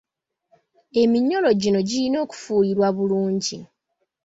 Eminyolo gino girina okufuuyirwa bulungi.